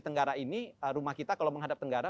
tenggara ini rumah kita kalau menghadap tenggara